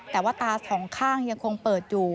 แต่ว่าตาสองข้างยังคงเปิดอยู่